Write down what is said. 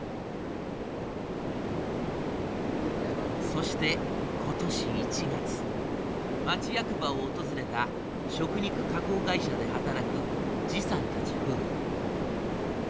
そして今年１月町役場を訪れた食肉加工会社で働くさんたち夫婦。